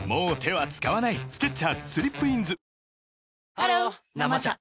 ハロー「生茶」